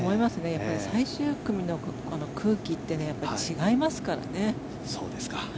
やはり最終組の空気ってやっぱり違いますからね。